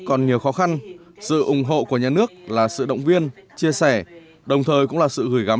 còn nhiều khó khăn sự ủng hộ của nhà nước là sự động viên chia sẻ đồng thời cũng là sự gửi gắ